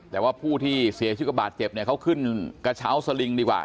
แต่ว่าผู้ที่เสียชีวิตก็บาดเจ็บเนี่ยเขาขึ้นกระเช้าสลิงดีกว่า